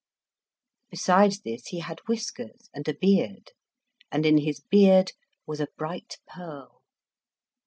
Besides this, he had whiskers and a beard, and in his beard was a bright pearl.